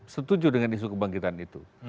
setuju dengan isu kebangkitan itu